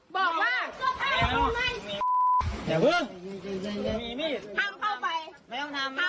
เลือดออกแค่นี้นะคะ